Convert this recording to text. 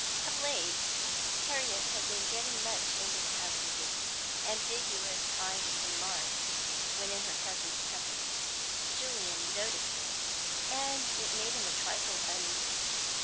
Of late, Harriet had been getting much into the habit of this ambiguous kind of remark when in her cousin's company. Julian noticed it, and it made him a trifle uneasy.